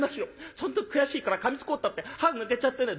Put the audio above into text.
その時悔しいからかみつこうったって歯抜けちゃってね